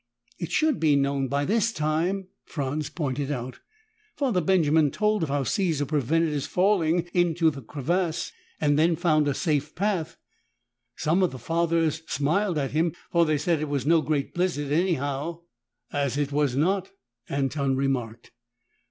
"It should be known by this time," Franz pointed out. "Father Benjamin told of how Caesar prevented his falling into the crevasse and then found a safe path. Some of the Fathers smiled at him, for they said it was no great blizzard, anyhow." "As it was not," Anton remarked.